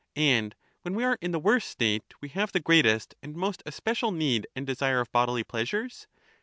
And when we are in the worst state we have the greatest and most especial need and desire of bodily pleasures